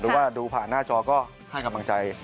หรือว่าดูผ่านหน้าจอก็ให้กำลังใจ